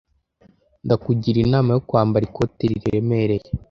Ndakugira inama yo kwambara ikote riremereye.